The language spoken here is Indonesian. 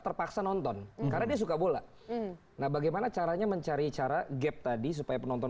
terpaksa nonton karena dia suka bola nah bagaimana caranya mencari cara gap tadi supaya penonton